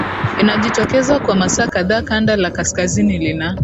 inajitokeza kwa masaa kadhaa Kanda la kaskazini lina